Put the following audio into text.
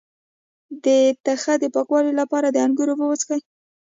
د تخه د پاکوالي لپاره د انګور اوبه وڅښئ